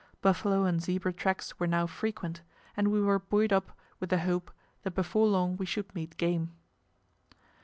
Buffalo and zebra tracks were now frequent, and we were buoyed up with the hope that before long we should meet game.